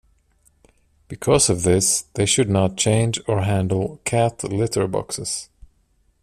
Because of this, they should not change or handle cat litter boxes.